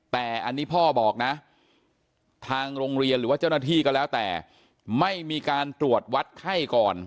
แต่อันนี้พ่อบอกนะทางโรงเรียนหรือว่าเจ้าหน้าที่ก็แล้วแต่ไม่มีการตรวจวัดไข้ก่อน